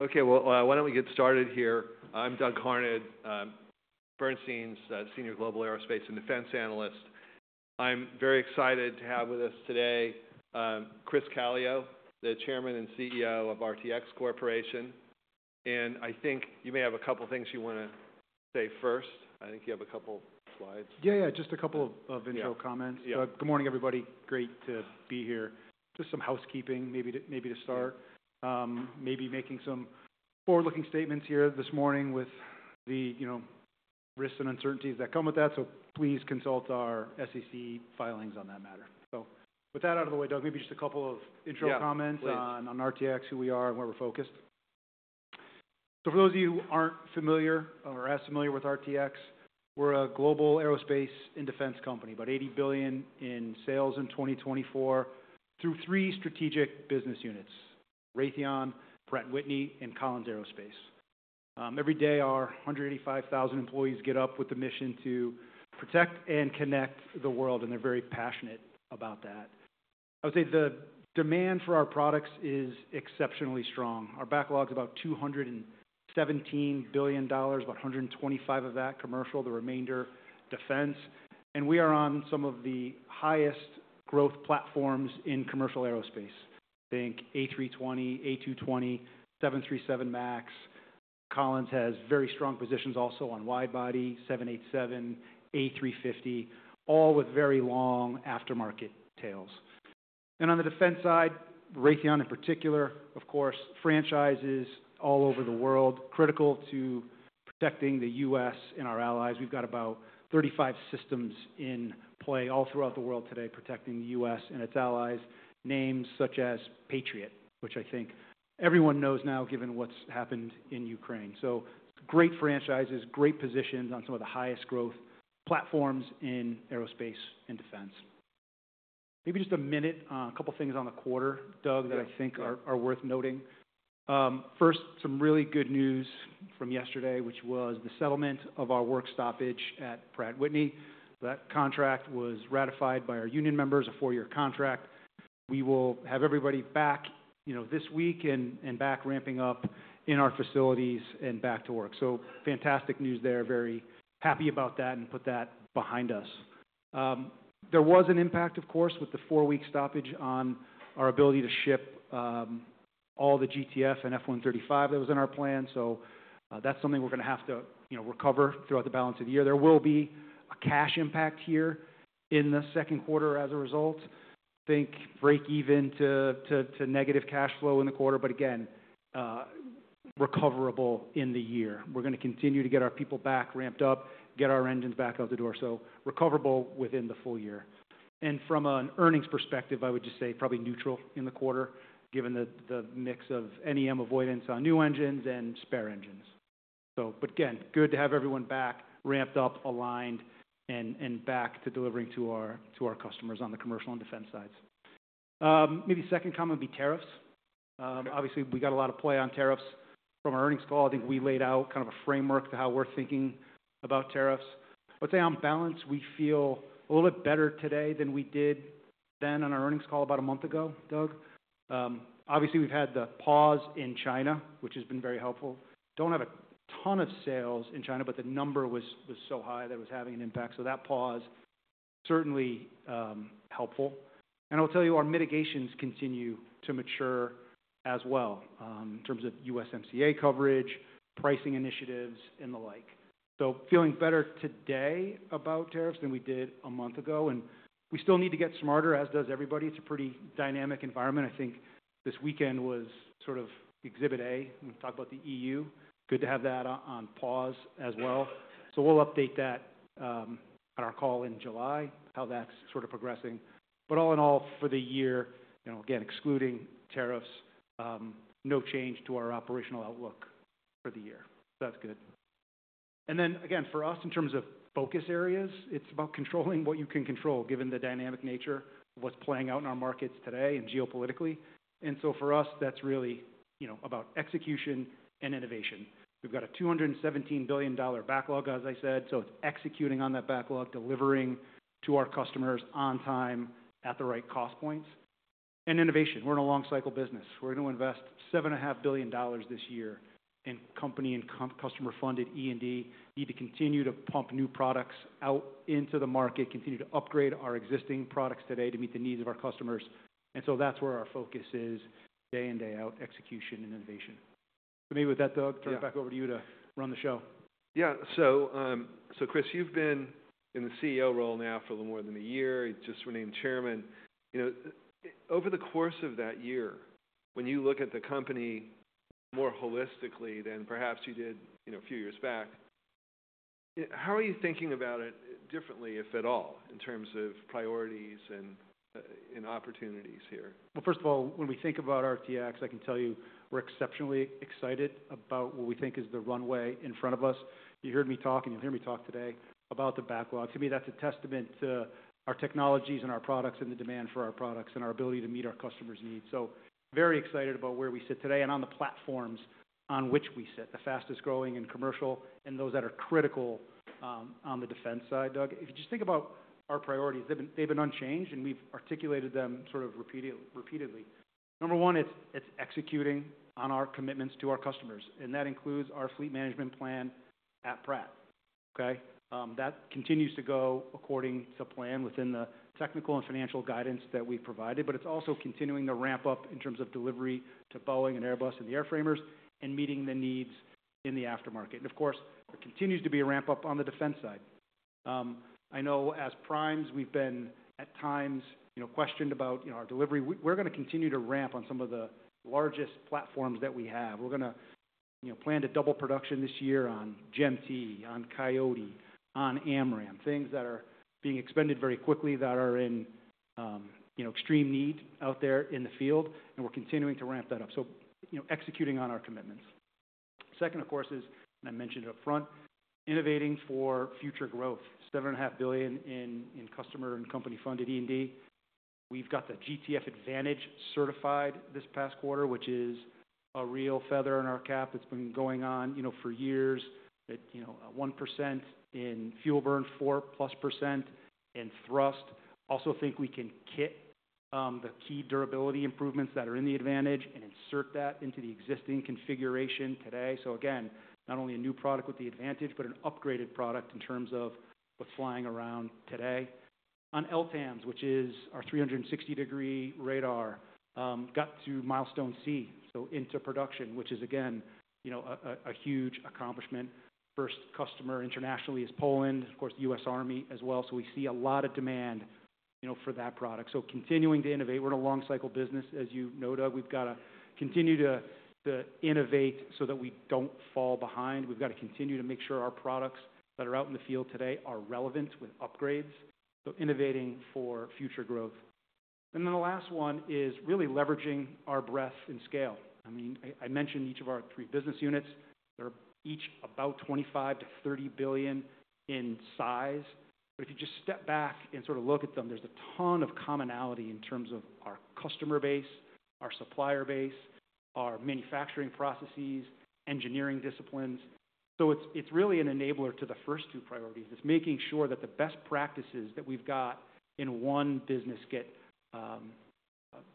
Okay, why don't we get started here? I'm Doug Harned, Bernstein's Senior Global Aerospace and Defense Analyst. I'm very excited to have with us today, Chris Calio, the Chairman and CEO of RTX Corporation. I think you may have a couple of things you want to say first. I think you have a couple of slides. Yeah, yeah, just a couple of intro comments. Yeah. Good morning, everybody. Great to be here. Just some housekeeping, maybe to start. Maybe making some forward-looking statements here this morning with the, you know, risks and uncertainties that come with that. Please consult our SEC filings on that matter. With that out of the way, Doug, maybe just a couple of intro comments. Yeah. On RTX, who we are, and where we're focused. For those of you who aren't familiar or as familiar with RTX, we're a global aerospace and defense company, about $80 billion in sales in 2024 through three strategic business units: Raytheon, Pratt & Whitney, and Collins Aerospace. Every day, our 185,000 employees get up with the mission to protect and connect the world, and they're very passionate about that. I would say the demand for our products is exceptionally strong. Our backlog's about $217 billion, about $125 billion of that commercial, the remainder defense. We are on some of the highest growth platforms in commercial aerospace, think A320, A220, 737 MAX. Collins has very strong positions also on widebody, Boeing 787, A350, all with very long aftermarket tails. On the defense side, Raytheon in particular, of course, franchises all over the world, critical to protecting the U.S. and our allies. We have about 35 systems in play all throughout the world today protecting the U.S. and its allies, names such as Patriot, which I think everyone knows now given what has happened in Ukraine. Great franchises, great positions on some of the highest growth platforms in aerospace and defense. Maybe just a minute, a couple of things on the quarter, Doug, that I think are worth noting. First, some really good news from yesterday, which was the settlement of our work stoppage at Pratt & Whitney. That contract was ratified by our union members, a four-year contract. We will have everybody back, you know, this week and back ramping up in our facilities and back to work. Fantastic news there. Very happy about that and put that behind us. There was an impact, of course, with the four-week stoppage on our ability to ship all the GTF and F135 that was in our plan. That's something we're gonna have to, you know, recover throughout the balance of the year. There will be a cash impact here in the second quarter as a result. Think break-even to negative cash flow in the quarter, but again, recoverable in the year. We're gonna continue to get our people back, ramped up, get our engines back out the door, so recoverable within the full year. From an earnings perspective, I would just say probably neutral in the quarter given the mix of NEM avoidance on new engines and spare engines. Good to have everyone back, ramped up, aligned, and back to delivering to our customers on the commercial and defense sides. Maybe second comment would be tariffs. Obviously, we got a lot of play on tariffs from our earnings call. I think we laid out kind of a framework to how we're thinking about tariffs. I would say on balance, we feel a little bit better today than we did then on our earnings call about a month ago, Doug. Obviously, we've had the pause in China, which has been very helpful. Don't have a ton of sales in China, but the number was so high that it was having an impact. That pause certainly helpful. I'll tell you, our mitigations continue to mature as well, in terms of USMCA coverage, pricing initiatives, and the like. Feeling better today about tariffs than we did a month ago. We still need to get smarter, as does everybody. It's a pretty dynamic environment. I think this weekend was sort of exhibit A when we talk about the EU. Good to have that on pause as well. We'll update that on our call in July, how that's sort of progressing. All in all, for the year, you know, again, excluding tariffs, no change to our operational outlook for the year. That's good. For us, in terms of focus areas, it's about controlling what you can control given the dynamic nature of what's playing out in our markets today and geopolitically. For us, that's really, you know, about execution and innovation. We've got a $217 billion backlog, as I said. It's executing on that backlog, delivering to our customers on time at the right cost points. Innovation. We're in a long-cycle business. We're gonna invest $7.5 billion this year in company and customer-funded E&D. Need to continue to pump new products out into the market, continue to upgrade our existing products today to meet the needs of our customers. That's where our focus is day in, day out, execution and innovation. Maybe with that, Doug, turn it back over to you to run the show. Yeah. Chris, you've been in the CEO role now for a little more than a year. You just renamed Chairman. You know, over the course of that year, when you look at the company more holistically than perhaps you did, you know, a few years back, how are you thinking about it differently, if at all, in terms of priorities and opportunities here? First of all, when we think about RTX, I can tell you we're exceptionally excited about what we think is the runway in front of us. You heard me talk, and you'll hear me talk today about the backlog. To me, that's a testament to our technologies and our products and the demand for our products and our ability to meet our customers' needs. Very excited about where we sit today and on the platforms on which we sit, the fastest growing in commercial and those that are critical on the defense side. Doug, if you just think about our priorities, they've been unchanged, and we've articulated them sort of repeatedly. Number one, it's executing on our commitments to our customers. That includes our fleet management plan at Pratt, okay? That continues to go according to plan within the technical and financial guidance that we've provided, but it's also continuing to ramp up in terms of delivery to Boeing and Airbus and the airframers and meeting the needs in the aftermarket. Of course, there continues to be a ramp up on the defense side. I know as Primes, we've been at times, you know, questioned about, you know, our delivery. We're gonna continue to ramp on some of the largest platforms that we have. We're gonna, you know, plan to double production this year on GMT, on Coyote, on AMRAAM, things that are being expended very quickly that are in, you know, extreme need out there in the field. We're continuing to ramp that up. You know, executing on our commitments. Second, of course, is, and I mentioned it upfront, innovating for future growth, $7.5 billion in, in customer and company-funded E&D. We've got the GTF Advantage certified this past quarter, which is a real feather in our cap that's been going on, you know, for years, at, you know, 1% in fuel burn, 4+% in thrust. Also think we can kit, the key durability improvements that are in the Advantage and insert that into the existing configuration today. Again, not only a new product with the Advantage, but an upgraded product in terms of what's flying around today. On LTAMDS, which is our 360-degree radar, got to milestone C, so into production, which is, again, you know, a huge accomplishment. First customer internationally is Poland, of course, the U.S. Army as well. We see a lot of demand, you know, for that product. Continuing to innovate. We're in a long-cycle business. As you know, Doug, we've gotta continue to, to innovate so that we don't fall behind. We've gotta continue to make sure our products that are out in the field today are relevant with upgrades. Innovating for future growth. The last one is really leveraging our breadth and scale. I mean, I mentioned each of our three business units. They're each about $25 billion to $30 billion in size. If you just step back and sort of look at them, there's a ton of commonality in terms of our customer base, our supplier base, our manufacturing processes, engineering disciplines. It's really an enabler to the first two priorities. It's making sure that the best practices that we've got in one business get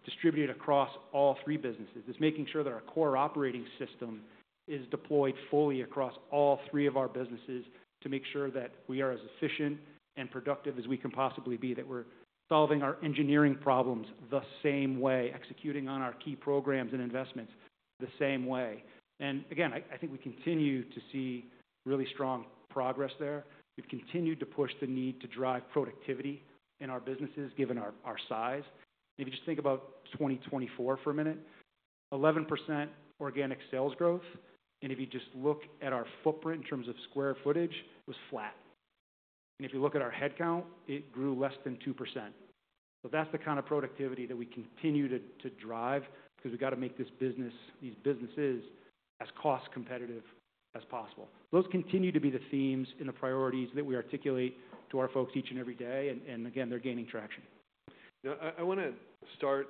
distributed across all three businesses. It's making sure that our core operating system is deployed fully across all three of our businesses to make sure that we are as efficient and productive as we can possibly be, that we're solving our engineering problems the same way, executing on our key programs and investments the same way. I think we continue to see really strong progress there. We've continued to push the need to drive productivity in our businesses given our size. If you just think about 2024 for a minute, 11% organic sales growth. If you just look at our footprint in terms of square footage, it was flat. If you look at our headcount, it grew less than 2%. That's the kind of productivity that we continue to drive because we gotta make this business, these businesses as cost-competitive as possible. Those continue to be the themes and the priorities that we articulate to our folks each and every day. Again, they're gaining traction. Now, I wanna start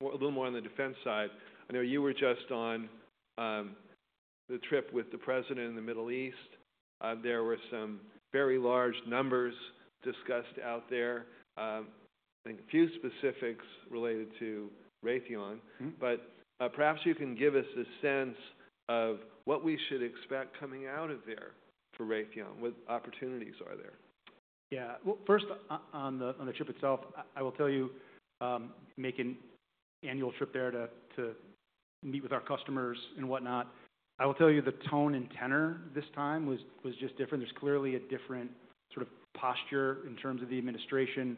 a little more on the defense side. I know you were just on the trip with the president in the Middle East. There were some very large numbers discussed out there. I think a few specifics related to Raytheon. Mm-hmm. Perhaps you can give us a sense of what we should expect coming out of there for Raytheon. What opportunities are there? Yeah. First, on the trip itself, I will tell you, making annual trip there to meet with our customers and whatnot, I will tell you the tone and tenor this time was just different. There is clearly a different sort of posture in terms of the administration,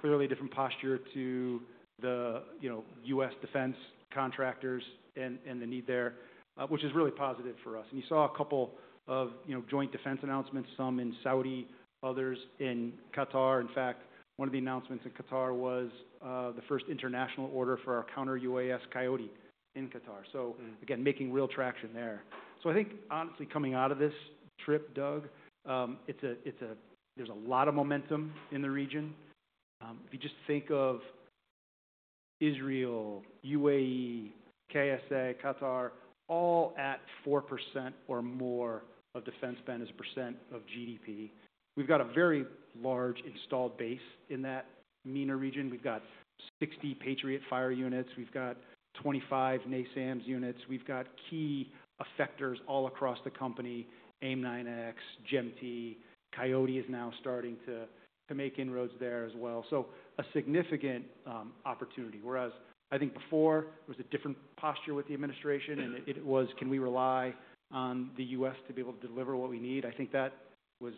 clearly a different posture to the, you know, U.S. defense contractors and the need there, which is really positive for us. You saw a couple of, you know, joint defense announcements, some in Saudi, others in Qatar. In fact, one of the announcements in Qatar was the first international order for our counter UAS Coyote in Qatar. Mm-hmm. Again, making real traction there. I think, honestly, coming out of this trip, Doug, it's a, it's a, there's a lot of momentum in the region. If you just think of Israel, UAE, KSA, Qatar, all at 4% or more of defense spend as a percent of GDP. We've got a very large installed base in that MENA region. We've got 60 Patriot fire units. We've got 25 NASAMS units. We've got key effectors all across the company, AIM-9X, GMT. Coyote is now starting to make inroads there as well. A significant opportunity. Whereas I think before it was a different posture with the administration, and it was, can we rely on the U.S. to be able to deliver what we need? I think that was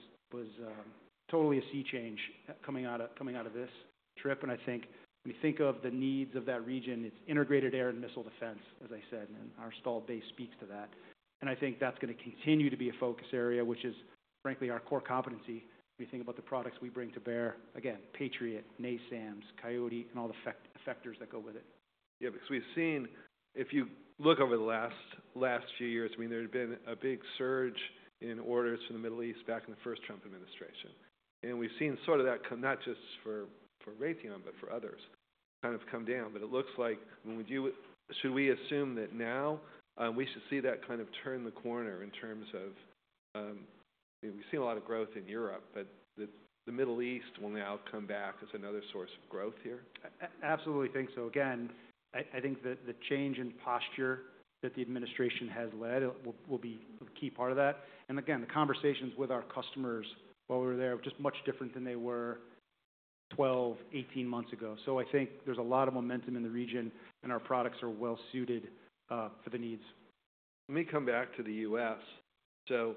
totally a sea change coming out of this trip. I think when you think of the needs of that region, it's integrated air and missile defense, as I said, and our installed base speaks to that. I think that's gonna continue to be a focus area, which is, frankly, our core competency when you think about the products we bring to bear. Again, Patriot, NASAMS, Coyote, and all the effectors that go with it. Yeah. Because we've seen, if you look over the last few years, I mean, there had been a big surge in orders from the Middle East back in the first Trump administration. And we've seen sort of that come, not just for Raytheon, but for others, kind of come down. It looks like when we do, should we assume that now, we should see that kind of turn the corner in terms of, you know, we've seen a lot of growth in Europe, but the Middle East will now come back as another source of growth here? I absolutely think so. Again, I think the change in posture that the administration has led will be a key part of that. Again, the conversations with our customers while we were there were just much different than they were 12, 18 months ago. I think there is a lot of momentum in the region, and our products are well-suited for the needs. Let me come back to the U.S. So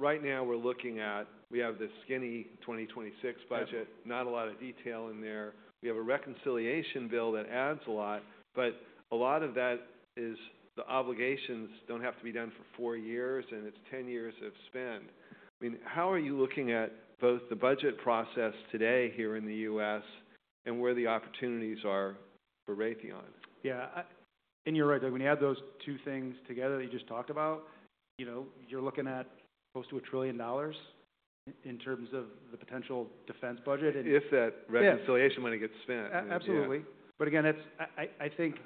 right now we're looking at, we have this skinny 2026 budget. Yep. Not a lot of detail in there. We have a reconciliation bill that adds a lot, but a lot of that is the obligations do not have to be done for four years, and it is 10 years of spend. I mean, how are you looking at both the budget process today here in the U.S. and where the opportunities are for Raytheon? Yeah. I, and you're right, Doug. When you add those two things together that you just talked about, you know, you're looking at close to a trillion dollars in terms of the potential defense budget. If that reconciliation money gets spent. Yeah. Absolutely. I think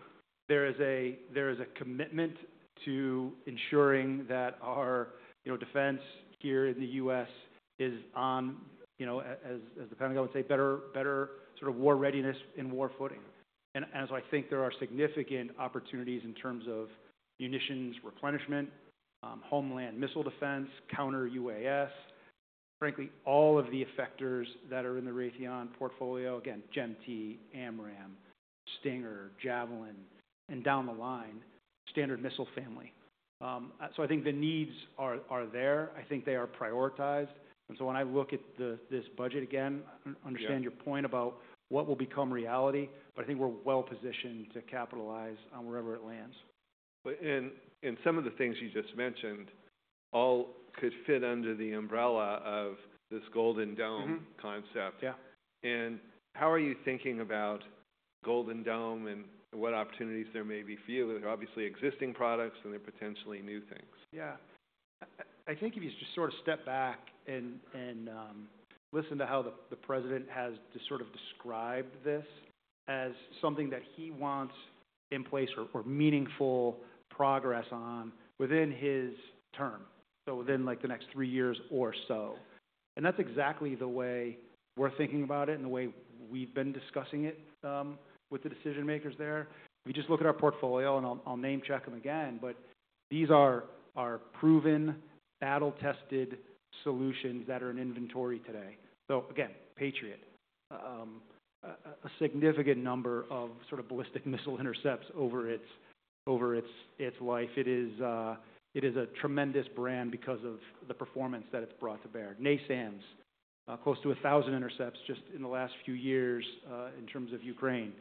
there is a commitment to ensuring that our, you know, defense here in the U.S. is on, you know, as the Pentagon would say, better, better sort of war readiness and war footing. I think there are significant opportunities in terms of munitions replenishment, homeland missile defense, counter UAS, frankly, all of the effectors that are in the Raytheon portfolio, again, GMT, AMRAAM, Stinger, Javelin, and down the line, Standard Missile Family. I think the needs are there. I think they are prioritized. When I look at this budget again, I understand your point about what will become reality, but I think we're well-positioned to capitalize on wherever it lands. In some of the things you just mentioned, all could fit under the umbrella of this Golden Dome. Mm-hmm. Concept. Yeah. How are you thinking about Golden Dome and what opportunities there may be for you? There are obviously existing products, and there are potentially new things. Yeah. I think if you just sort of step back and listen to how the president has just sort of described this as something that he wants in place or meaningful progress on within his term, so within like the next three years or so. That is exactly the way we're thinking about it and the way we've been discussing it with the decision-makers there. If you just look at our portfolio, and I'll name-check them again, but these are our proven, battle-tested solutions that are in inventory today. Patriot, a significant number of sort of ballistic missile intercepts over its life. It is a tremendous brand because of the performance that it's brought to bear. NASAMS, close to 1,000 intercepts just in the last few years, in terms of Ukraine.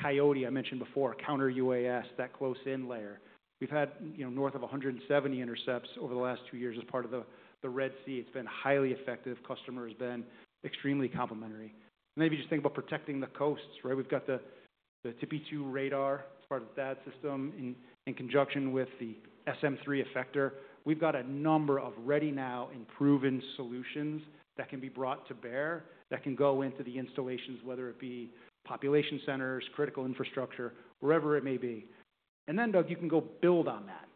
Coyote, I mentioned before, counter UAS, that close-in layer. We've had, you know, north of 170 intercepts over the last two years as part of the Red Sea. It's been highly effective. Customer has been extremely complimentary. If you just think about protecting the coasts, right? We've got the TPY-2 radar as part of the THAAD system in conjunction with the SM-3 effector. We've got a number of ready-now and proven solutions that can be brought to bear that can go into the installations, whether it be population centers, critical infrastructure, wherever it may be. Doug, you can go build on that,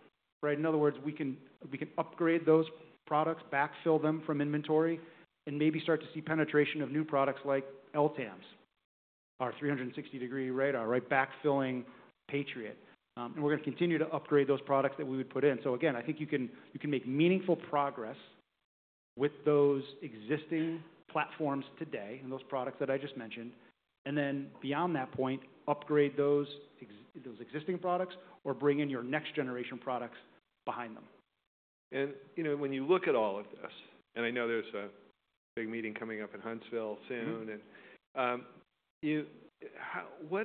right? In other words, we can upgrade those products, backfill them from inventory, and maybe start to see penetration of new products like LTAMDS, our 360-degree radar, right, backfilling Patriot. We're gonna continue to upgrade those products that we would put in. I think you can make meaningful progress with those existing platforms today and those products that I just mentioned, and then beyond that point, upgrade those existing products or bring in your next-generation products behind them. You know, when you look at all of this, and I know there's a big meeting coming up in Huntsville soon, you know,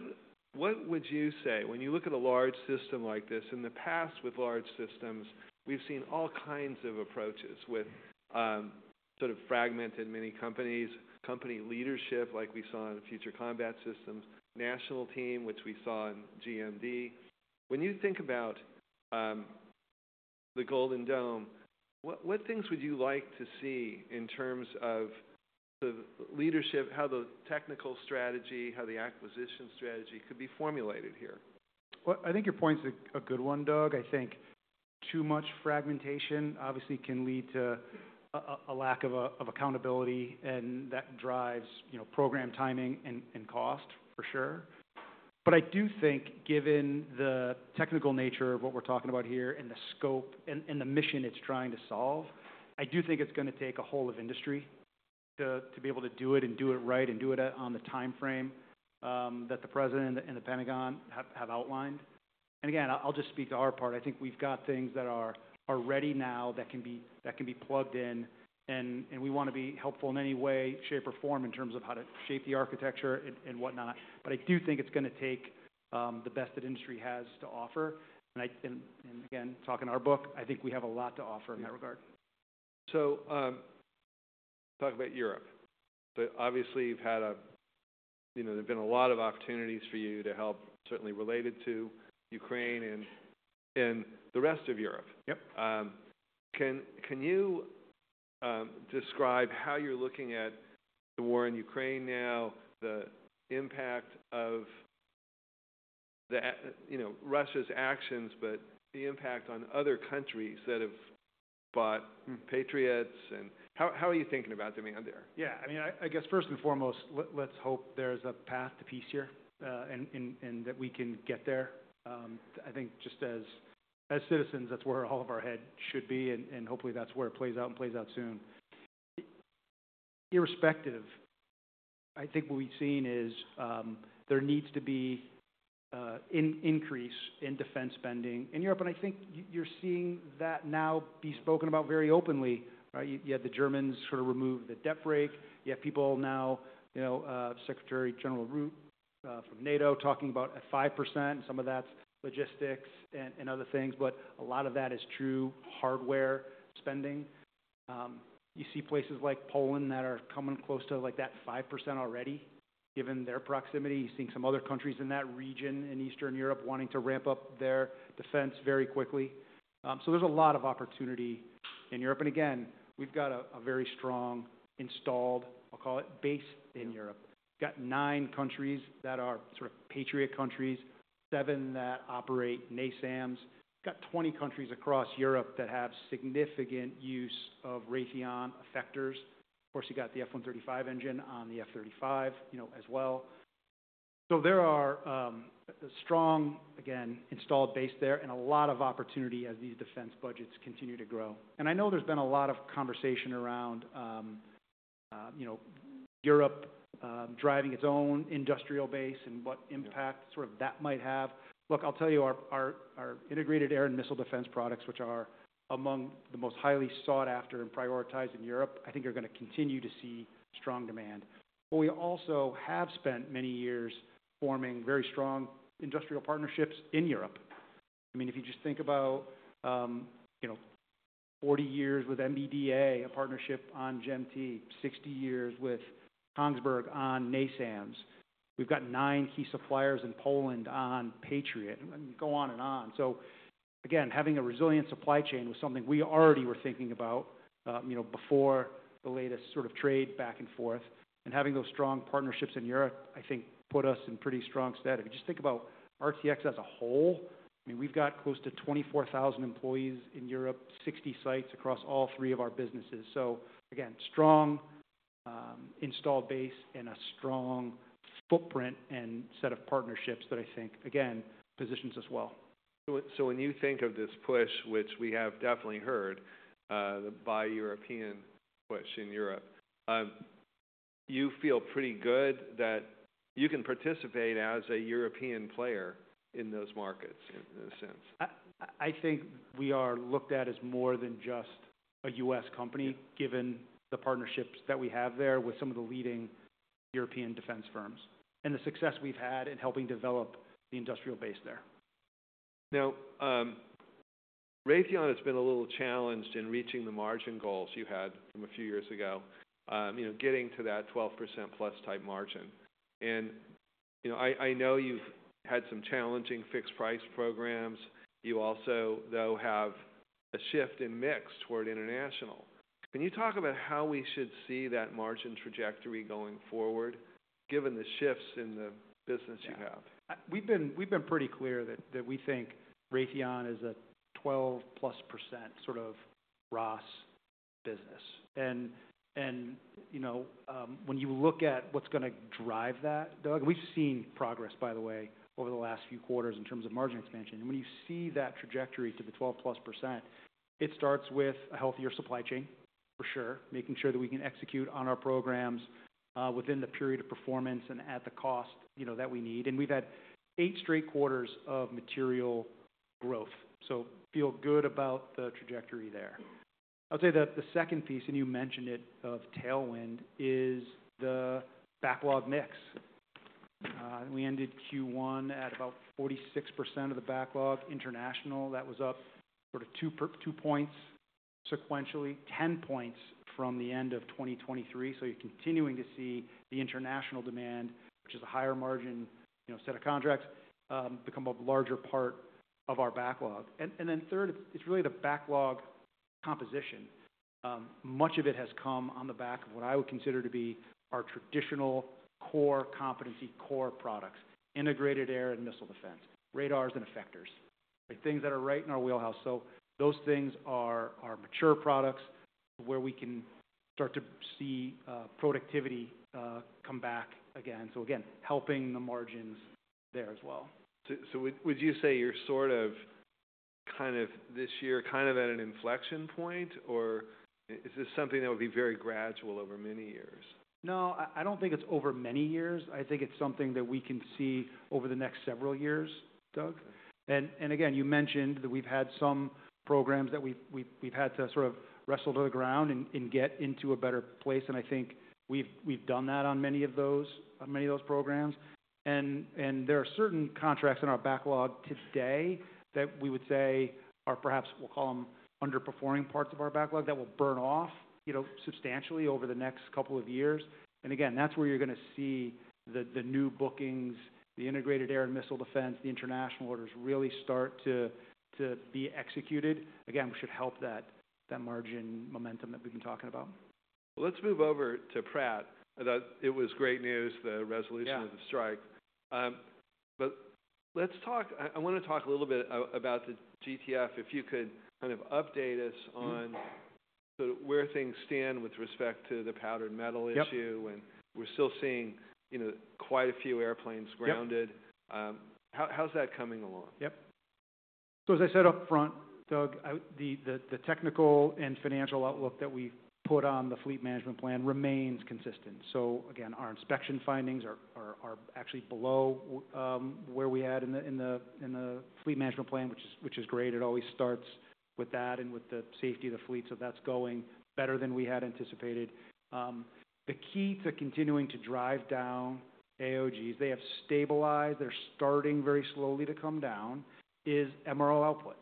what would you say when you look at a large system like this? In the past with large systems, we've seen all kinds of approaches with, sort of fragmented many companies, company leadership like we saw in Future Combat Systems, National Team, which we saw in GMD. When you think about the Golden Dome, what things would you like to see in terms of the leadership, how the technical strategy, how the acquisition strategy could be formulated here? I think your point's a good one, Doug. I think too much fragmentation obviously can lead to a lack of accountability, and that drives, you know, program timing and cost for sure. I do think given the technical nature of what we're talking about here and the scope and the mission it's trying to solve, I do think it's gonna take a whole of industry to be able to do it and do it right and do it on the timeframe that the president and the Pentagon have outlined. Again, I'll just speak to our part. I think we've got things that are ready now that can be plugged in, and we wanna be helpful in any way, shape, or form in terms of how to shape the architecture and whatnot. I do think it's gonna take the best that industry has to offer. And again, talking to our book, I think we have a lot to offer in that regard. Talk about Europe. Obviously you've had a, you know, there've been a lot of opportunities for you to help, certainly related to Ukraine and, and the rest of Europe. Yep. Can you describe how you're looking at the war in Ukraine now, the impact of the, you know, Russia's actions, but the impact on other countries that have bought Patriots? How are you thinking about demand there? Yeah. I mean, I guess first and foremost, let's hope there's a path to peace here, and that we can get there. I think just as citizens, that's where all of our head should be, and hopefully that's where it plays out and plays out soon. Irrespective, I think what we've seen is, there needs to be increase in defense spending in Europe. I think you're seeing that now be spoken about very openly, right? You had the Germans sort of remove the debt brake. You have people now, you know, Secretary General Ruth, from NATO talking about at 5%, and some of that's logistics and other things. A lot of that is true hardware spending. You see places like Poland that are coming close to like that 5% already given their proximity. You're seeing some other countries in that region in Eastern Europe wanting to ramp up their defense very quickly. There is a lot of opportunity in Europe. Again, we've got a very strong installed, I'll call it, base in Europe. We've got nine countries that are sort of Patriot countries, seven that operate NASAMS. We've got 20 countries across Europe that have significant use of Raytheon effectors. Of course, you got the F135 engine on the F-35, you know, as well. There are a strong, again, installed base there and a lot of opportunity as these defense budgets continue to grow. I know there's been a lot of conversation around, you know, Europe, driving its own industrial base and what impact sort of that might have. Look, I'll tell you, our integrated air and missile defense products, which are among the most highly sought after and prioritized in Europe, I think are gonna continue to see strong demand. We also have spent many years forming very strong industrial partnerships in Europe. I mean, if you just think about, you know, 40 years with MBDA, a partnership on GMT, 60 years with Kongsberg on NASAMS. We've got nine key suppliers in Poland on Patriot, and go on and on. Having a resilient supply chain was something we already were thinking about, you know, before the latest sort of trade back and forth. Having those strong partnerships in Europe, I think, put us in pretty strong stead. If you just think about RTX as a whole, I mean, we've got close to 24,000 employees in Europe, 60 sites across all three of our businesses. Again, strong, installed base and a strong footprint and set of partnerships that I think, again, positions us well. When you think of this push, which we have definitely heard, the bi-European push in Europe, you feel pretty good that you can participate as a European player in those markets in, in a sense? I think we are looked at as more than just a U.S. company given the partnerships that we have there with some of the leading European defense firms and the success we've had in helping develop the industrial base there. Now, Raytheon has been a little challenged in reaching the margin goals you had from a few years ago, you know, getting to that 12%+ type margin. You know, I know you've had some challenging fixed-price programs. You also, though, have a shift in mix toward international. Can you talk about how we should see that margin trajectory going forward given the shifts in the business you have? Yeah. We've been, we've been pretty clear that, that we think Raytheon is a 12+% sort of ROS business. And, you know, when you look at what's gonna drive that, Doug, we've seen progress, by the way, over the last few quarters in terms of margin expansion. When you see that trajectory to the 12+%, it starts with a healthier supply chain, for sure, making sure that we can execute on our programs, within the period of performance and at the cost, you know, that we need. We've had eight straight quarters of material growth. Feel good about the trajectory there. I would say that the second piece, and you mentioned it, of tailwind is the backlog mix. We ended Q1 at about 46% of the backlog international. That was up sort of two percentage points sequentially, 10 percentage points from the end of 2023. You are continuing to see the international demand, which is a higher margin, you know, set of contracts, become a larger part of our backlog. Then third, it is really the backlog composition. Much of it has come on the back of what I would consider to be our traditional core competency, core products, integrated air and missile defense, radars and effectors, right, things that are right in our wheelhouse. Those things are mature products to where we can start to see productivity come back again. Again, helping the margins there as well. Would you say you're sort of kind of this year kind of at an inflection point, or is this something that would be very gradual over many years? No, I don't think it's over many years. I think it's something that we can see over the next several years, Doug. You mentioned that we've had some programs that we've had to sort of wrestle to the ground and get into a better place. I think we've done that on many of those, on many of those programs. There are certain contracts in our backlog today that we would say are perhaps, we'll call them underperforming parts of our backlog that will burn off substantially over the next couple of years. That's where you're gonna see the new bookings, the integrated air and missile defense, the international orders really start to be executed. Again, we should help that margin momentum that we've been talking about. Let's move over to Pratt. I thought it was great news, the resolution of the strike. Yeah. Let's talk, I want to talk a little bit about the GTF, if you could kind of update us on sort of where things stand with respect to the powder and metal issue. Yeah. We're still seeing, you know, quite a few airplanes grounded. Yeah. How's that coming along? Yep. As I said upfront, Doug, the technical and financial outlook that we've put on the fleet management plan remains consistent. Again, our inspection findings are actually below where we had in the fleet management plan, which is great. It always starts with that and with the safety of the fleet. That's going better than we had anticipated. The key to continuing to drive down AOGs—they have stabilized, they're starting very slowly to come down—is MRO output.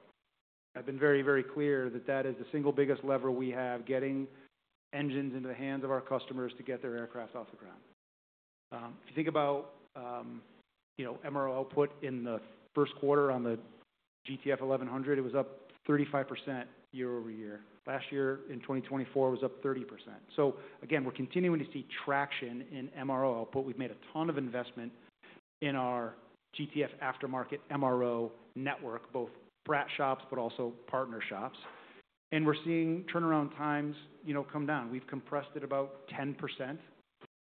I've been very, very clear that that is the single biggest lever we have, getting engines into the hands of our customers to get their aircraft off the ground. If you think about MRO output in the first quarter on the GTF 1100, it was up 35% year over year. Last year in 2024, it was up 30%. Again, we're continuing to see traction in MRO output. We've made a ton of investment in our GTF aftermarket MRO network, both Pratt shops but also partner shops. We're seeing turnaround times, you know, come down. We've compressed it about 10%.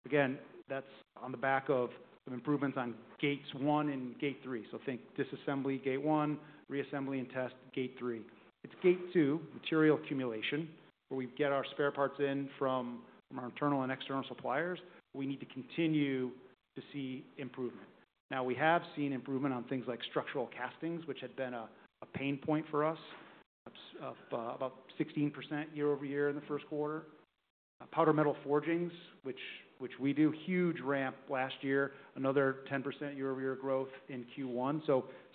Again, that's on the back of some improvements on Gates 1 and Gate 3. Think disassembly Gate 1, reassembly and test Gate 3. It's Gate 2, material accumulation, where we get our spare parts in from our internal and external suppliers. We need to continue to see improvement. Now, we have seen improvement on things like structural castings, which had been a pain point for us, up about 16% year over year in the first quarter. Powder metal forgings, which we did huge ramp last year, another 10% year over year growth in Q1.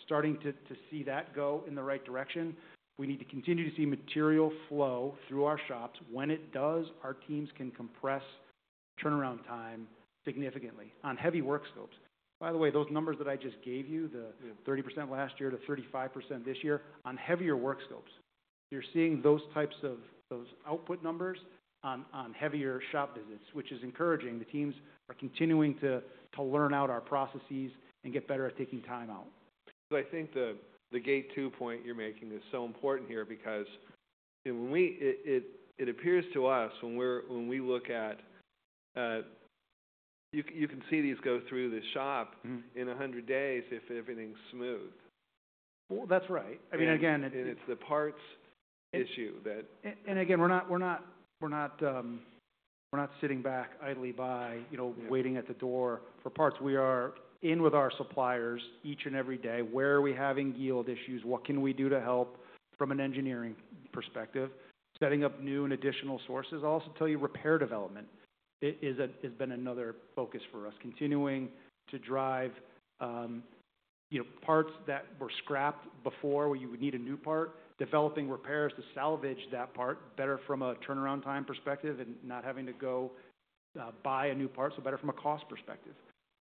Starting to see that go in the right direction. We need to continue to see material flow through our shops. When it does, our teams can compress turnaround time significantly on heavy work scopes. By the way, those numbers that I just gave you, the 30% last year to 35% this year on heavier work scopes, you're seeing those types of output numbers on heavier shop visits, which is encouraging. The teams are continuing to learn out our processes and get better at taking time out. I think the Gate 2 point you're making is so important here because, you know, when we, it appears to us when we're, when we look at, you can see these go through the shop. Mm-hmm. In 100 days if everything's smooth. That's right. I mean, again, it's. It's the parts issue that. We're not sitting back idly by, you know, waiting at the door for parts. We are in with our suppliers each and every day. Where are we having yield issues? What can we do to help from an engineering perspective? Setting up new and additional sources. I'll also tell you repair development has been another focus for us, continuing to drive, you know, parts that were scrapped before where you would need a new part, developing repairs to salvage that part better from a turnaround time perspective and not having to go buy a new part, so better from a cost perspective.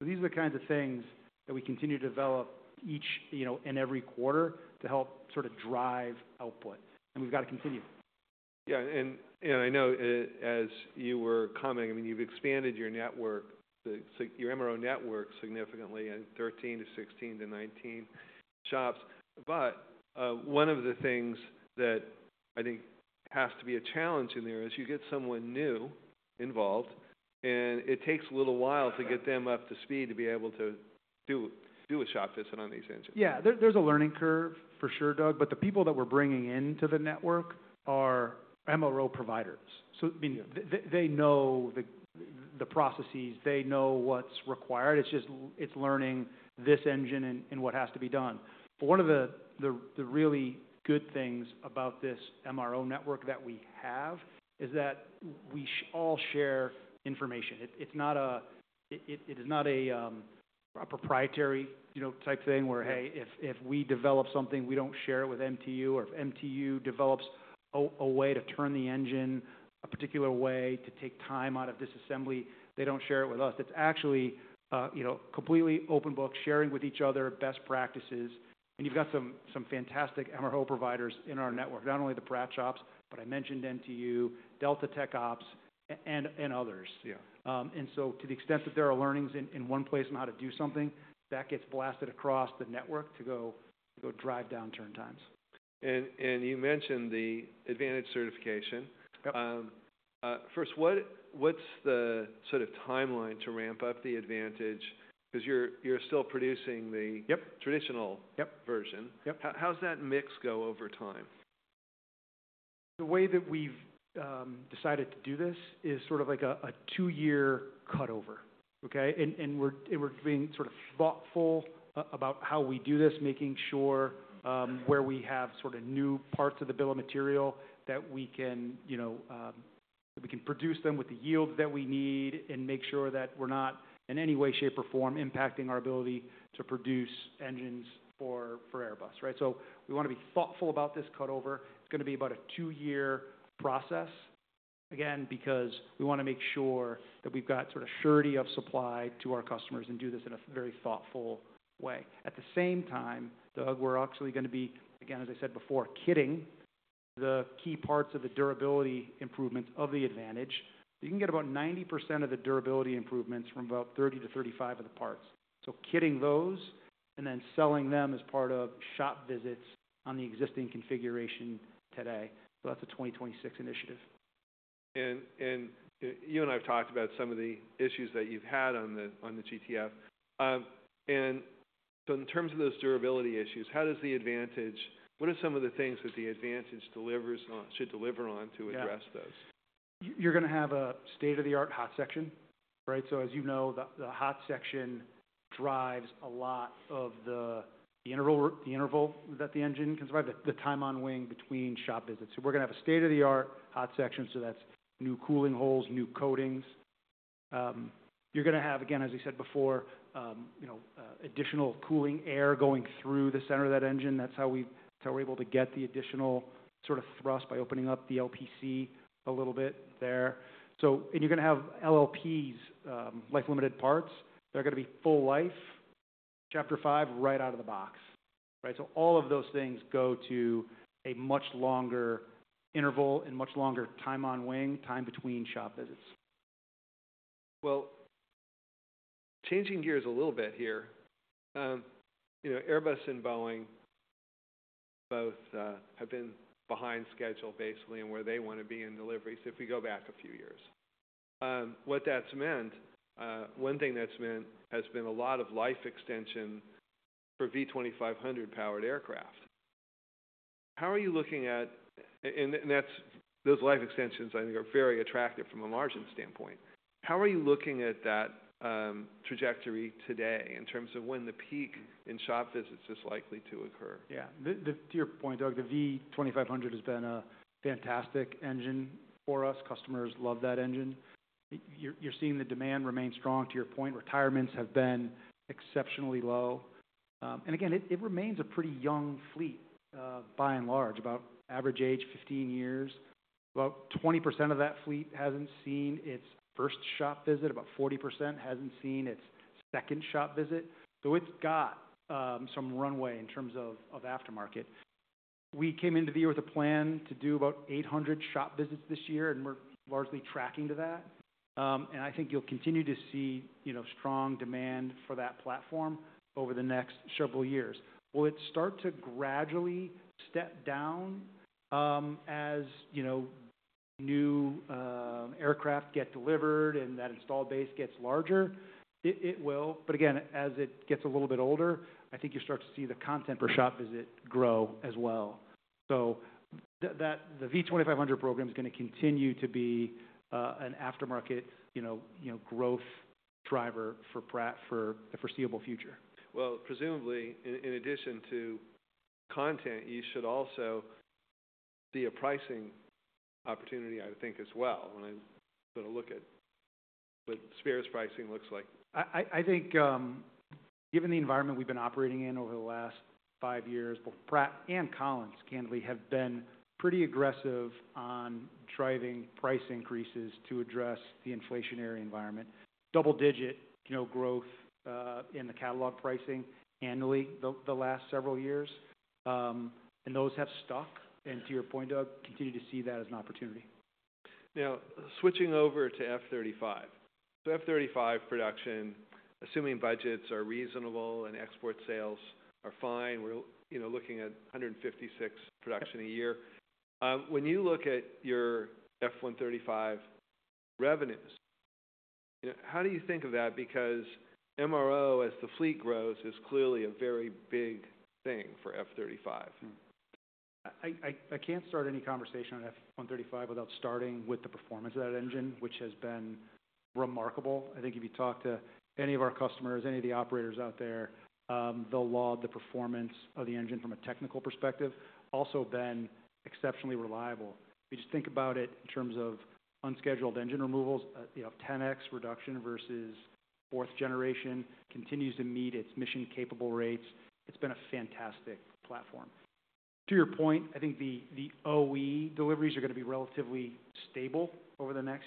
These are the kinds of things that we continue to develop each, you know, and every quarter to help sort of drive output. We've gotta continue. Yeah. I know, as you were commenting, I mean, you've expanded your network, so your MRO network significantly in 13 to 16 to 19 shops. One of the things that I think has to be a challenge in there is you get someone new involved, and it takes a little while to get them up to speed to be able to do a shop visit on these engines. Yeah. There, there's a learning curve for sure, Doug, but the people that we're bringing into the network are MRO providers. I mean, they know the processes, they know what's required. It's just, it's learning this engine and what has to be done. One of the really good things about this MRO network that we have is that we all share information. It's not a proprietary, you know, type thing where, hey, if we develop something, we don't share it with MTU, or if MTU develops a way to turn the engine a particular way to take time out of disassembly, they don't share it with us. It's actually, you know, completely open book, sharing with each other best practices. You have some fantastic MRO providers in our network, not only the Pratt shops, but I mentioned MTU, Delta TechOps, and others. Yeah. To the extent that there are learnings in one place on how to do something, that gets blasted across the network to go drive down turn times. You mentioned the Advantage certification. Yep. First, what, what's the sort of timeline to ramp up the Advantage? 'Cause you're, you're still producing the. Yep. Traditional. Yep. Version. Yep. How's that mix go over time? The way that we've decided to do this is sort of like a two-year cutover, okay? We're being sort of thoughtful about how we do this, making sure where we have sort of new parts of the bill of material that we can, you know, that we can produce them with the yields that we need and make sure that we're not in any way, shape, or form impacting our ability to produce engines for Airbus, right? We want to be thoughtful about this cutover. It's going to be about a two-year process, again, because we want to make sure that we've got sort of surety of supply to our customers and do this in a very thoughtful way. At the same time, Doug, we're actually going to be, again, as I said before, kitting the key parts of the durability improvements of the advantage. You can get about 90% of the durability improvements from about 30% to 35% of the parts. Kitting those and then selling them as part of shop visits on the existing configuration today. That is a 2026 initiative. You and I have talked about some of the issues that you've had on the GTF. In terms of those durability issues, how does the Advantage, what are some of the things that the Advantage delivers on, should deliver on to address those? Yeah. You're gonna have a state-of-the-art hot section, right? As you know, the hot section drives a lot of the interval, the interval that the engine can survive, the time on wing between shop visits. We're gonna have a state-of-the-art hot section. That's new cooling holes, new coatings. You're gonna have, again, as I said before, you know, additional cooling air going through the center of that engine. That's how we're able to get the additional sort of thrust by opening up the LPC a little bit there. You're gonna have LLPs, life-limited parts. They're gonna be full life, Chapter five, right out of the box, right? All of those things go to a much longer interval and much longer time on wing, time between shop visits. Changing gears a little bit here, you know, Airbus and Boeing both have been behind schedule basically in where they wanna be in delivery. If we go back a few years, what that's meant, one thing that's meant has been a lot of life extension for V2500-powered aircraft. How are you looking at, and those life extensions, I think, are very attractive from a margin standpoint. How are you looking at that trajectory today in terms of when the peak in shop visits is likely to occur? Yeah. To your point, Doug, the V2500 has been a fantastic engine for us. Customers love that engine. You're seeing the demand remain strong to your point. Retirements have been exceptionally low, and again, it remains a pretty young fleet, by and large, about average age, 15 years. About 20% of that fleet hasn't seen its first shop visit. About 40% hasn't seen its second shop visit. It has some runway in terms of aftermarket. We came into the year with a plan to do about 800 shop visits this year, and we're largely tracking to that. I think you'll continue to see, you know, strong demand for that platform over the next several years. Will it start to gradually step down, as, you know, new aircraft get delivered and that installed base gets larger? It will. As it gets a little bit older, I think you start to see the content per shop visit grow as well. The V2500 program's gonna continue to be, an aftermarket, you know, growth driver for Pratt for the foreseeable future. Presumably, in addition to content, you should also see a pricing opportunity, I think, as well. When I sort of look at what Spirit's pricing looks like. I think, given the environment we've been operating in over the last five years, both Pratt and Collins candidly have been pretty aggressive on driving price increases to address the inflationary environment. Double-digit, you know, growth, in the catalog pricing annually the last several years. And those have stuck. And to your point, Doug, continue to see that as an opportunity. Now, switching over to F-35. F-35 production, assuming budgets are reasonable and export sales are fine, we're, you know, looking at 156 production a year. When you look at your F135 revenues, you know, how do you think of that? Because MRO, as the fleet grows, is clearly a very big thing for F-35. I can't start any conversation on F135 without starting with the performance of that engine, which has been remarkable. I think if you talk to any of our customers, any of the operators out there, they'll laud the performance of the engine from a technical perspective. Also been exceptionally reliable. If you just think about it in terms of unscheduled engine removals, you know, 10X reduction versus fourth generation continues to meet its mission-capable rates. It's been a fantastic platform. To your point, I think the OE deliveries are gonna be relatively stable over the next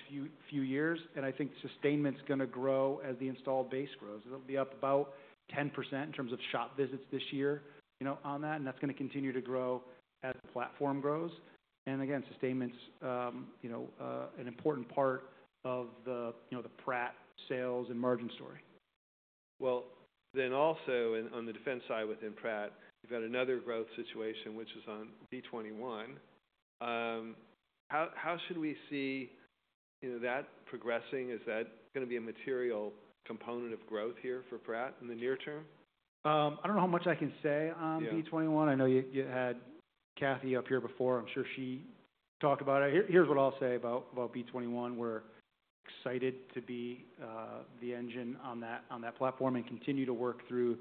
few years. I think sustainment's gonna grow as the installed base grows. It'll be up about 10% in terms of shop visits this year, you know, on that. That's gonna continue to grow as the platform grows. Sustainment's, you know, an important part of the, you know, the Pratt sales and margin story. Also in, on the defense side within Pratt, you've got another growth situation, which is on V21. How should we see, you know, that progressing? Is that gonna be a material component of growth here for Pratt in the near term? I don't know how much I can say on V21. Yeah. I know you had Kathy up here before. I'm sure she talked about it. Here's what I'll say about V21. We're excited to be the engine on that platform and continue to work through,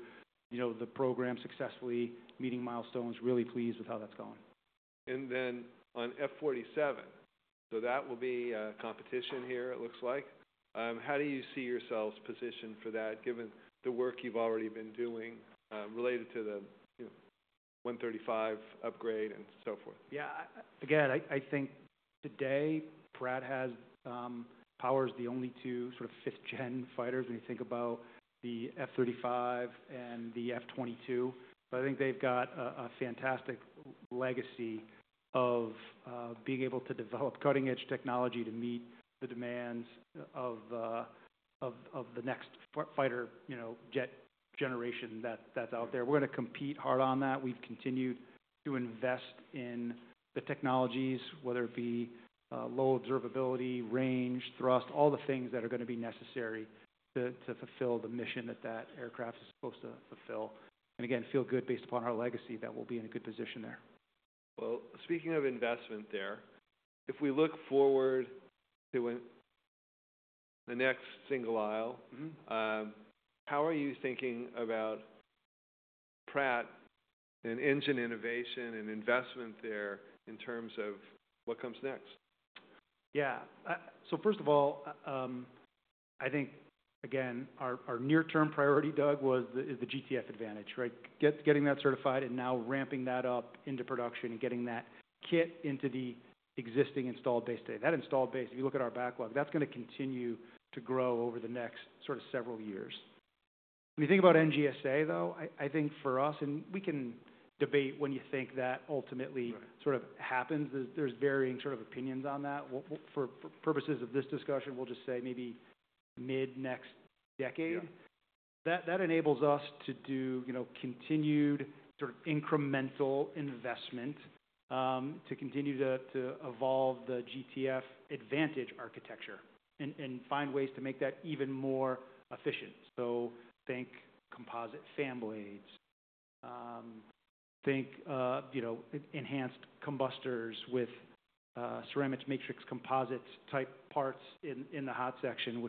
you know, the program successfully, meeting milestones, really pleased with how that's going. On F-47, so that will be a competition here, it looks like. How do you see yourselves positioned for that given the work you've already been doing, related to the, you know, F135 upgrade and so forth? Yeah. I think today Pratt has, powers the only two sort of fifth-gen fighters when you think about the F-35 and the F-22. I think they've got a fantastic legacy of being able to develop cutting-edge technology to meet the demands of the next fighter, you know, jet generation that's out there. We're gonna compete hard on that. We've continued to invest in the technologies, whether it be low observability, range, thrust, all the things that are gonna be necessary to fulfill the mission that that aircraft is supposed to fulfill. I feel good based upon our legacy that we'll be in a good position there. Speaking of investment there, if we look forward to the next single aisle. Mm-hmm. How are you thinking about Pratt and engine innovation and investment there in terms of what comes next? Yeah. First of all, I think, again, our near-term priority, Doug, was the, is the GTF Advantage, right? Getting that certified and now ramping that up into production and getting that kit into the existing installed base today. That installed base, if you look at our backlog, that's gonna continue to grow over the next sort of several years. When you think about NGSA, though, I think for us, and we can debate when you think that ultimately. Right. Sort of happens. There's varying sort of opinions on that. For purposes of this discussion, we'll just say maybe mid-next decade. Yeah. That enables us to do, you know, continued sort of incremental investment, to continue to evolve the GTF Advantage architecture and find ways to make that even more efficient. Think composite fan blades, think, you know, enhanced combustors with ceramic matrix composite-type parts in the hot section,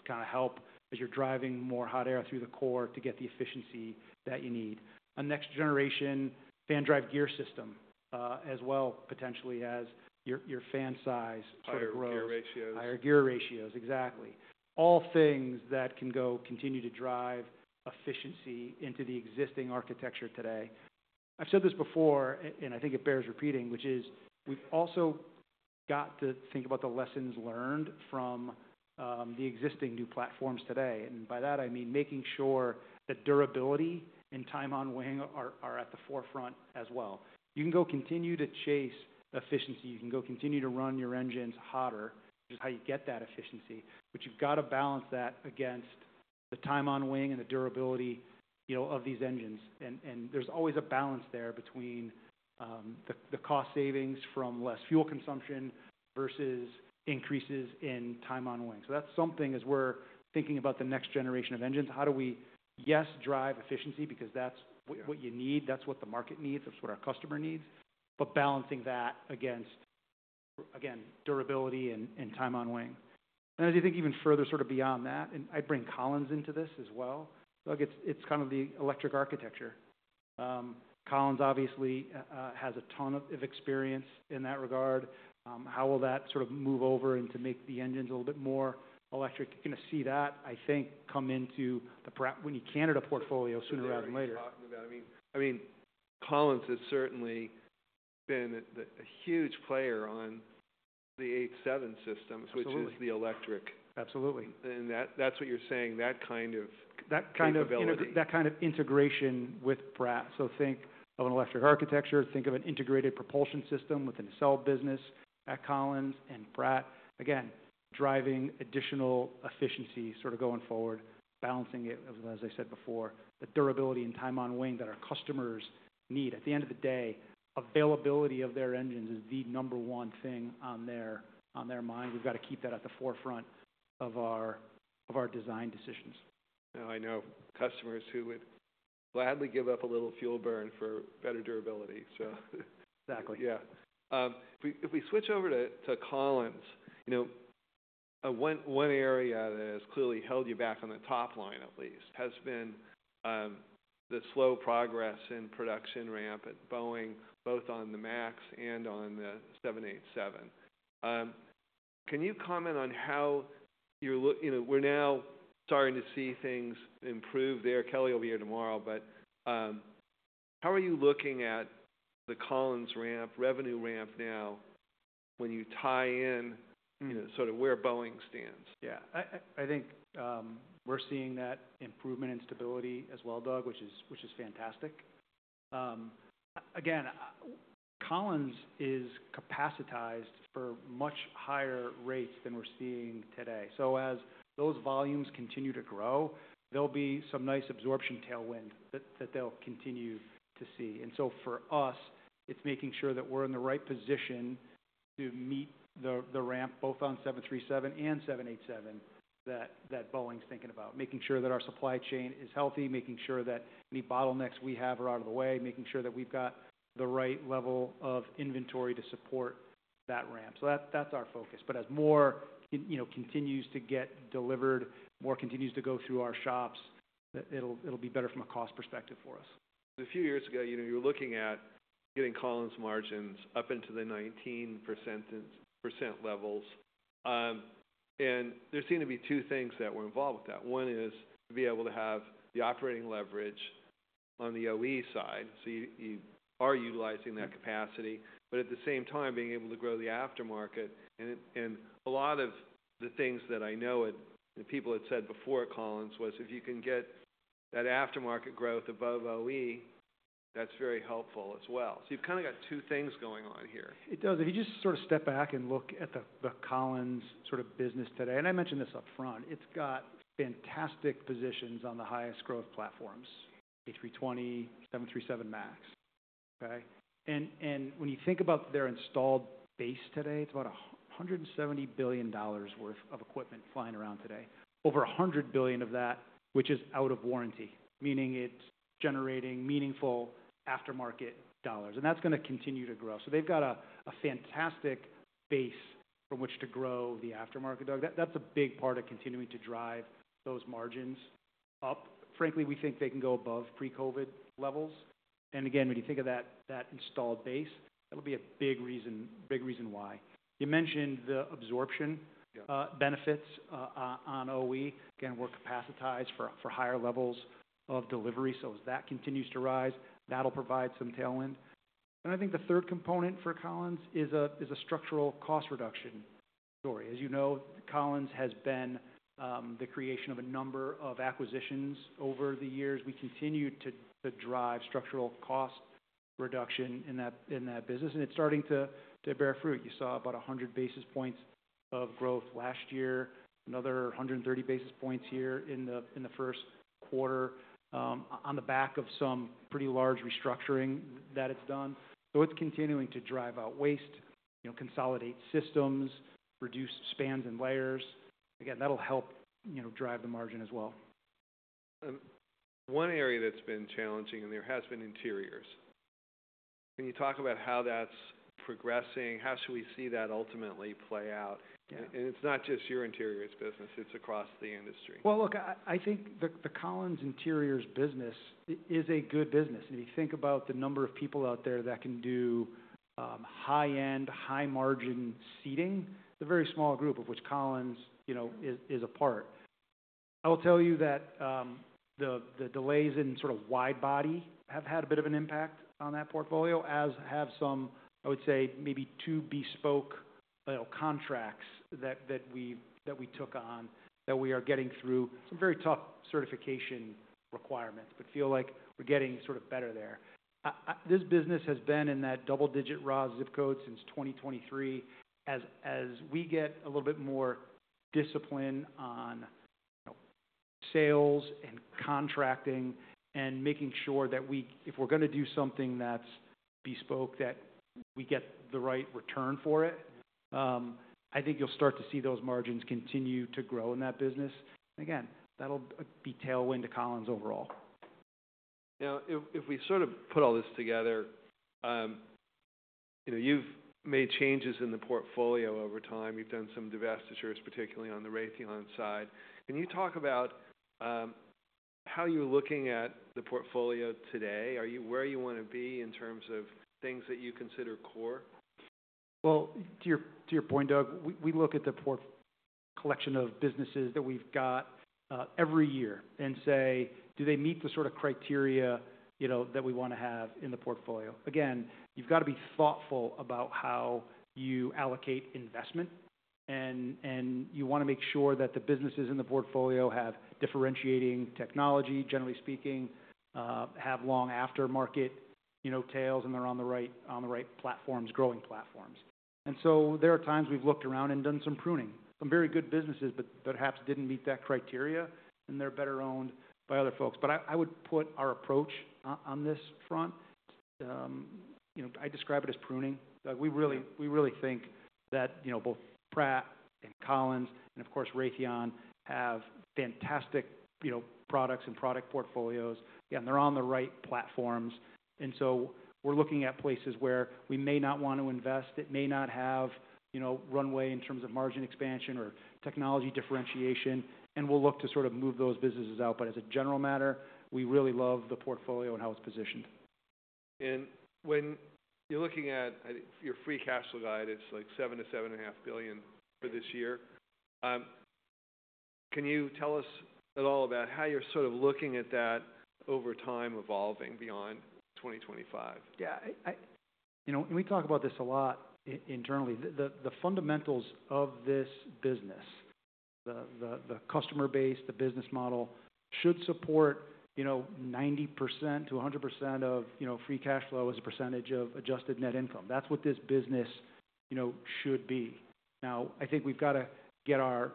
which kinda help as you're driving more hot air through the core to get the efficiency that you need. A next-generation fan drive gear system, as well, potentially, as your fan size sort of grows. Higher gear ratios. Higher gear ratios, exactly. All things that can go continue to drive efficiency into the existing architecture today. I've said this before, and I think it bears repeating, which is we've also got to think about the lessons learned from the existing new platforms today. And by that, I mean making sure that durability and time on wing are at the forefront as well. You can go continue to chase efficiency. You can go continue to run your engines hotter, which is how you get that efficiency, but you've gotta balance that against the time on wing and the durability, you know, of these engines. There's always a balance there between the cost savings from less fuel consumption versus increases in time on wing. That's something as we're thinking about the next generation of engines. How do we, yes, drive efficiency because that's what you need, that's what the market needs, that's what our customer needs, but balancing that against, again, durability and time on wing. As you think even further sort of beyond that, and I bring Collins into this as well, Doug, it's kind of the electric architecture. Collins obviously has a ton of experience in that regard. How will that sort of move over and make the engines a little bit more electric? You're gonna see that, I think, come into the Pratt & Whitney Canada portfolio sooner rather than later. Yeah. We're talking about, I mean, I mean, Collins has certainly been the, the huge player on the Boeing 787 system, which is the electric. Absolutely. Absolutely. That's what you're saying, that kind of. That kind of. Development. You know, that kind of integration with Pratt. Think of an electric architecture, think of an integrated propulsion system with an installed business at Collins and Pratt, again, driving additional efficiency sort of going forward, balancing it, as I said before, the durability and time on wing that our customers need. At the end of the day, availability of their engines is the number one thing on their mind. We've gotta keep that at the forefront of our design decisions. Now, I know customers who would gladly give up a little fuel burn for better durability, so. Exactly. Yeah. If we, if we switch over to, to Collins, you know, one area that has clearly held you back on the top line at least has been the slow progress in production ramp at Boeing, both on the MAX and on the Boeing 787. Can you comment on how you're look, you know, we're now starting to see things improve there. Kelly will be here tomorrow. How are you looking at the Collins ramp, revenue ramp now when you tie in, you know, sort of where Boeing stands? Yeah. I think we're seeing that improvement in stability as well, Doug, which is fantastic. Again, Collins is capacitized for much higher rates than we're seeing today. As those volumes continue to grow, there'll be some nice absorption tailwind that they'll continue to see. For us, it's making sure that we're in the right position to meet the ramp both on Boeing 737 and Boeing 787 that Boeing's thinking about, making sure that our supply chain is healthy, making sure that any bottlenecks we have are out of the way, making sure that we've got the right level of inventory to support that ramp. That's our focus. As more continues to get delivered, more continues to go through our shops, it'll be better from a cost perspective for us. Because a few years ago, you know, you were looking at getting Collins margins up into the 19% and percent levels. There seem to be two things that were involved with that. One is to be able to have the operating leverage on the OE side. You are utilizing that capacity, but at the same time, being able to grow the aftermarket. A lot of the things that I know had, you know, people had said before Collins was if you can get that aftermarket growth above OE, that's very helpful as well. You have kinda got two things going on here. It does. If you just sort of step back and look at the, the Collins sort of business today, and I mentioned this upfront, it's got fantastic positions on the highest growth platforms, A320, Boeing 737 MAX, okay? When you think about their installed base today, it's about $170 billion worth of equipment flying around today, over $100 billion of that, which is out of warranty, meaning it's generating meaningful aftermarket dollars. That's gonna continue to grow. They've got a fantastic base from which to grow the aftermarket, Doug. That's a big part of continuing to drive those margins up. Frankly, we think they can go above pre-COVID levels. Again, when you think of that, that installed base, that'll be a big reason, big reason why. You mentioned the absorption. Yeah. Benefits, on OE. Again, we're capacitized for higher levels of delivery. As that continues to rise, that'll provide some tailwind. I think the third component for Collins is a structural cost reduction story. As you know, Collins has been the creation of a number of acquisitions over the years. We continue to drive structural cost reduction in that business. It's starting to bear fruit. You saw about 100 bps of growth last year, another 130 bps here in the first quarter, on the back of some pretty large restructuring that it's done. It is continuing to drive out waste, you know, consolidate systems, reduce spans and layers. That will help, you know, drive the margin as well. One area that's been challenging, and there has been interiors. Can you talk about how that's progressing? How should we see that ultimately play out? Yeah. It is not just your interiors business. It is across the industry. I think the Collins Interiors business is a good business. If you think about the number of people out there that can do high-end, high-margin seating, the very small group of which Collins, you know, is a part. I will tell you that the delays in sort of widebody have had a bit of an impact on that portfolio, as have some, I would say, maybe too bespoke, you know, contracts that we took on that we are getting through some very tough certification requirements, but feel like we're getting sort of better there. This business has been in that double-digit raw zip code since 2023. As we get a little bit more discipline on, you know, sales and contracting and making sure that we, if we're gonna do something that's bespoke, that we get the right return for it, I think you'll start to see those margins continue to grow in that business. Again, that'll be tailwind to Collins overall. Now, if we sort of put all this together, you know, you've made changes in the portfolio over time. You've done some divestitures, particularly on the Raytheon side. Can you talk about how you're looking at the portfolio today? Are you where you wanna be in terms of things that you consider core? To your point, Doug, we look at the portfolio of businesses that we've got every year and say, do they meet the sort of criteria, you know, that we want to have in the portfolio? Again, you have got to be thoughtful about how you allocate investment, and you want to make sure that the businesses in the portfolio have differentiating technology, generally speaking, have long aftermarket, you know, tails, and they are on the right, on the right platforms, growing platforms. There are times we've looked around and done some pruning. Some very good businesses, but perhaps did not meet that criteria, and they are better owned by other folks. I would put our approach on this front, you know, I describe it as pruning. Like, we really, we really think that, you know, both Pratt and Collins and, of course, Raytheon have fantastic, you know, products and product portfolios. Again, they're on the right platforms. We are looking at places where we may not wanna invest. It may not have, you know, runway in terms of margin expansion or technology differentiation. We will look to sort of move those businesses out. As a general matter, we really love the portfolio and how it's positioned. When you're looking at, I think, your free cash flow guide, it's like $7 billion to $7.5 billion for this year. Can you tell us at all about how you're sort of looking at that over time evolving beyond 2025? Yeah. I, I, you know, and we talk about this a lot internally. The fundamentals of this business, the customer base, the business model should support, you know, 90% to 100% of, you know, free cash flow as a percentage of adjusted net income. That's what this business, you know, should be. Now, I think we've gotta get our,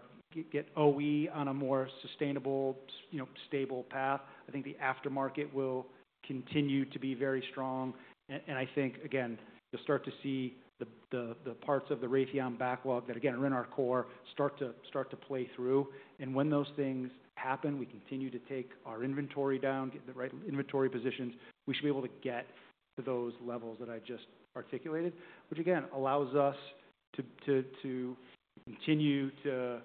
get OE on a more sustainable, you know, stable path. I think the aftermarket will continue to be very strong. I think, again, you'll start to see the parts of the Raytheon backlog that, again, are in our core start to play through. When those things happen, we continue to take our inventory down, get the right inventory positions. We should be able to get to those levels that I just articulated, which again allows us to continue to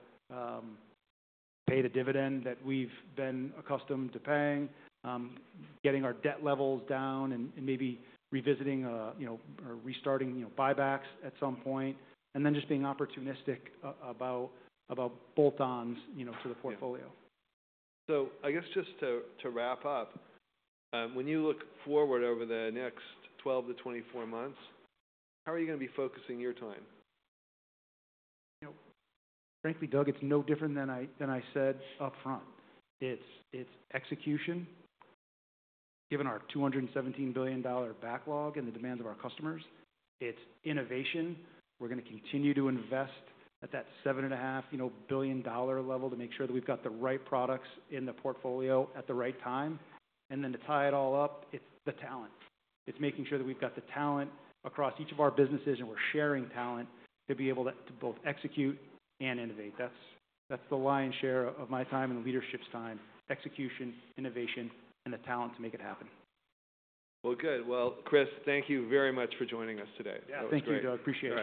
pay the dividend that we've been accustomed to paying, getting our debt levels down and maybe revisiting, you know, or restarting, you know, buybacks at some point, and then just being opportunistic about, about bolt-ons, you know, to the portfolio. Yeah. I guess just to, to wrap up, when you look forward over the next 12 to 24 months, how are you gonna be focusing your time? You know, frankly, Doug, it's no different than I said upfront. It's execution, given our $217 billion backlog and the demands of our customers. It's innovation. We're gonna continue to invest at that $7.5 billion level to make sure that we've got the right products in the portfolio at the right time. To tie it all up, it's the talent. It's making sure that we've got the talent across each of our businesses, and we're sharing talent to be able to both execute and innovate. That's the lion's share of my time and the leadership's time: execution, innovation, and the talent to make it happen. Good. Well, Chris, thank you very much for joining us today. Yeah. Thank you, Doug. Appreciate it.